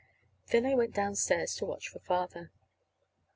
Then I went downstairs to watch for Father.